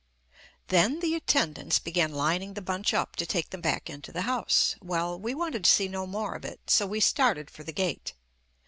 Then the attendants began lining the bunch up to take them back into the house. Well, we wanted to see no more of it, so we started for the gate.